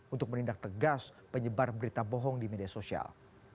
untuk menindak tegas penyebar berita bohong di media sosial